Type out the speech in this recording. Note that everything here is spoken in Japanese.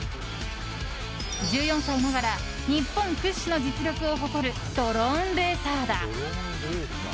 １４歳ながら日本屈指の実力を誇るドローンレーサーだ。